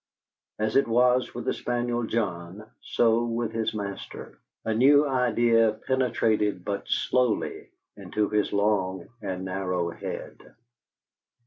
As it was with the spaniel John, so with his master a new idea penetrated but slowly into his long and narrow head.